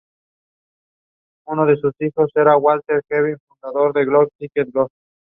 El resto disputan los correspondientes partidos de clasificación final.